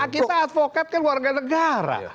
kita advokat kan warga negara